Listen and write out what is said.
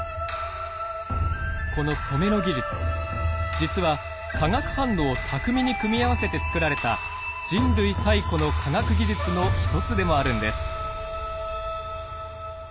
実は化学反応を巧みに組み合わせて作られた人類最古の科学技術の一つでもあるんです。